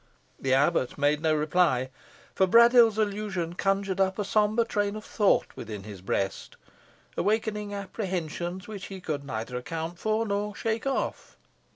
The abbot made no reply, for Braddyll's allusion conjured up a sombre train of thought within his breast, awakening apprehensions which he could neither account for, nor shake off.